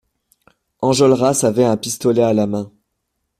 Enjolras avait un pistolet à la main.